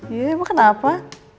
iya emang kenapa